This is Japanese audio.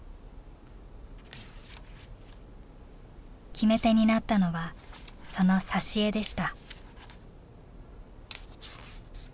決め手になったのはその挿絵でした。